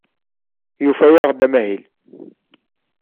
Yufa-aɣ-d amahil.